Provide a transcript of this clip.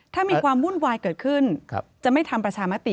ถ้ามีความวุ่นวายเกิดขึ้นจะไม่ทำประชามติ